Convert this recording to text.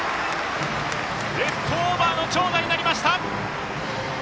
レフトオーバーの長打になりました。